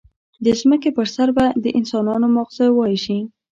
د ځمکې پر سر به د انسانانو ماغزه وایشي.